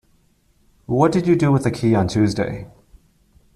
What did you do with the key on Tuesday?